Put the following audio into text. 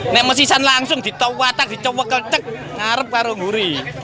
nek mesisan langsung ditopotak dicopok kecek ngarep karung guri